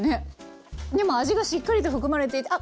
でも味がしっかりと含まれていてあっ！